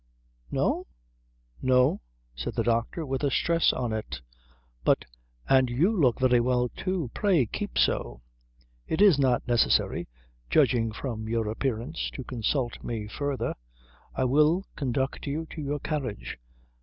"No," said the doctor, with a stress on it. "But " "And you look very well, too. Pray, keep so. It is not necessary, judging from your appearance, to consult me further. I will conduct you to your carriage."